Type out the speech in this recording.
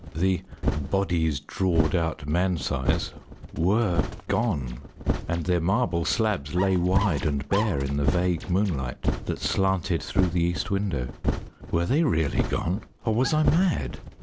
The "bodies drawed out man size" were gone, and their marble slabs lay wide and bare in the vague moonlight that slanted through the east window. Were they really gone? or was I mad?